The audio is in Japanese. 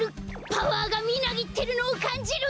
パワーがみなぎってるのをかんじるんだ！